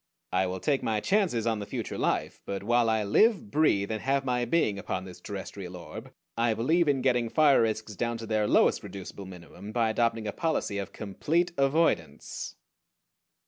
I will take my chances on the future life; but while I live, breathe, and have my being upon this terrestrial orb I believe in getting fire risks down to their lowest reducible minimum by adopting a policy of complete avoidance.